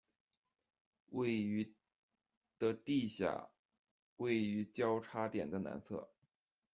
位于的地下，位于交差点的南侧。